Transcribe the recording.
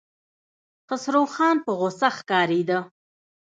خسروخان په غوسه ښکارېده.